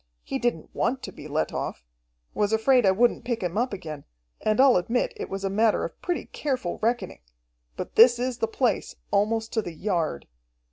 He didn't want to be let off. Was afraid I wouldn't pick him up again, and I'll admit it was a matter of pretty careful reckoning. But this is the place, almost to the yard.